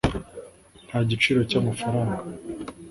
nta giciro cy'amafaranga.